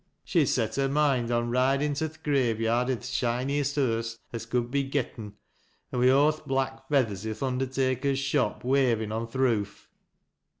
She'd set her moind on ridin' to th' grave yard i' th' shiniest hearse as could be getten, an' wi' aw th' black feathers i' th' undertaker's shop wavin' on tli' roof.